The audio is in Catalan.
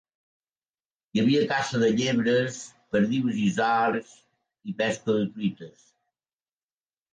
Hi havia caça de llebres, perdius i isards, i pesca de truites.